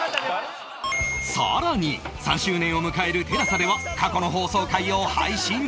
更に３周年を迎える ＴＥＬＡＳＡ では過去の放送回を配信中